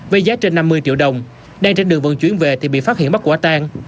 với giá trên năm mươi triệu đồng đang trên đường vận chuyển về thì bị phát hiện bắt quả tang